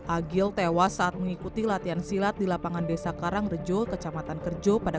agil tewas saat mengikuti latihan silat di lapangan desa karangrejo kecamatan kerjo pada